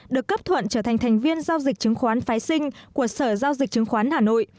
được cấp thuận trở thành thành viên giao dịch chứng khoán phái sinh của sở giao dịch chứng khoán hà nội